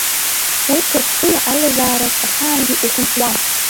Уи Қырҭтәыла аилазаарахь ахаангьы ихынҳәуам.